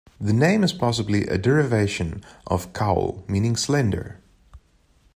The name is possibly a derivation of "caol" meaning slender.